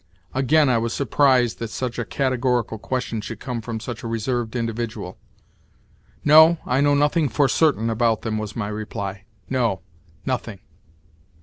Again I was surprised that such a categorical question should come from such a reserved individual. "No, I know nothing for certain about them" was my reply. "No—nothing."